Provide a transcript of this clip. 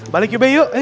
balik ube yuk